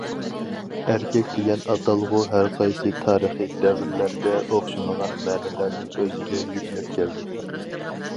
ئەركەك دېگەن ئاتالغۇ ھەرقايسى تارىخىي دەۋرلەردە ئوخشىمىغان مەنىلەرنى ئۆزىگە يۈكلەپ كەلدى.